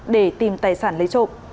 để tìm tài sản lấy trộm